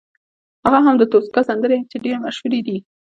هغه هم د توسکا سندرې چې ډېرې مشهورې دي.